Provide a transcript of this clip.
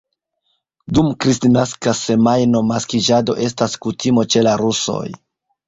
Dum Kristnaska semajno maskiĝado estas kutimo ĉe la rusoj.